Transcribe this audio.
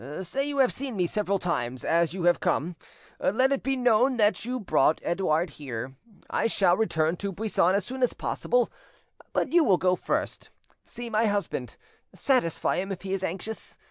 Say you have seen me several times; as you have come, let it be known that you brought Edouard here. I shall return to Buisson as soon as possible, but will you go first, see my husband, satisfy him if he is anxious?